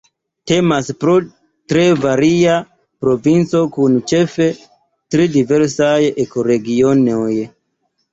Temas pro tre varia provinco kun ĉefe tri diversaj ekoregionoj.